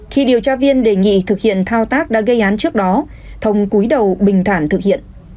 khi điều tra viên đề nghị thực hiện thao tác đã gây án trước đó thông cuối đầu bình thản thực hiện